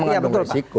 ya betul pak